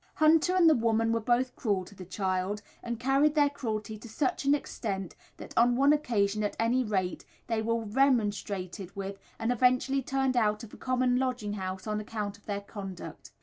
Hunter and the woman were both cruel to the child, and carried their cruelty to such an extent that on one occasion at any rate, they were remonstrated with, and eventually turned out of a common lodging house on account of their conduct.